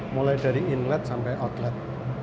mulai dari inlet sampai outlet